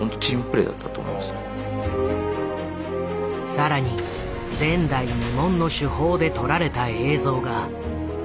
更に前代未聞の手法で撮られた映像が事件を動かす。